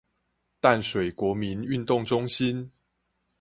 淡水國民運動中心